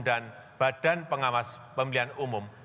dan badan pengawas pemilihan umum